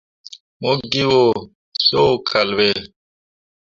Mo ge o yo kal ɓe.